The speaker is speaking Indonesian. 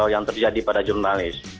yang terjadi pada jurnalis